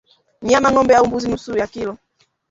Nyama ngombe au mbuzi nusu ya kilo